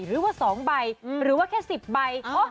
หรือว่า๒ใบหรือว่าแค่๑๐ใบ